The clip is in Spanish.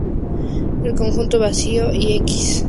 El conjunto vacío y "X" siempre son, a la vez, abiertos y cerrados.